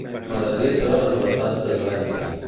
M'agradaria saber les novetats de Zelenski.